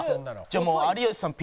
じゃあもう有吉さん